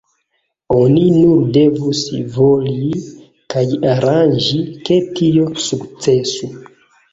Oni nur devus voli kaj aranĝi, ke tio sukcesu.